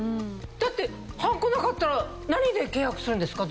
だってはんこなかったら何で契約するんですか？